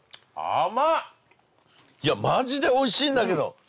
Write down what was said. マジでおいしいんだけど。